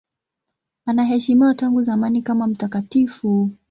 Anaheshimiwa tangu zamani kama mtakatifu.